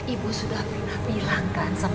ibu sudah bernafis